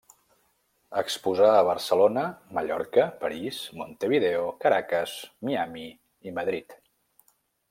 Exposà a Barcelona, Mallorca, París, Montevideo, Caracas, Miami i Madrid.